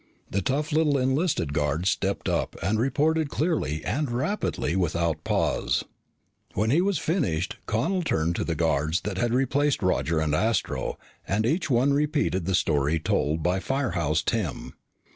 The tough little enlisted guard stepped up and reported clearly and rapidly and without pause. When he was finished, Connel turned to the guards that had replaced Roger and Astro and each one repeated the story told by Firehouse Tim.